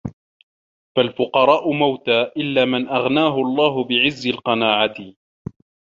فَالْفُقَرَاءُ مَوْتَى إلَّا مَنْ أَغْنَاهُ اللَّهُ بِعِزِّ الْقَنَاعَةِ